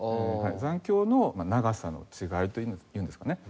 残響の長さの違いというんですかね。